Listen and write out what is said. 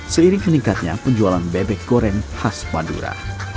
seiring meningkatnya penjualan bebek goreng khas madura